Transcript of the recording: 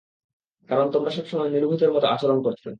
কারণ তোমরা সবসময় নির্বোধের মতো আচরণ করতে।